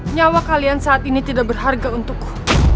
nyawa kalian saat ini tidak berharga untukku